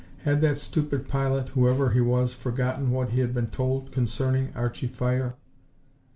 Had that stupid pilot, whoever he was, forgotten what he had been told concerning Archie fire?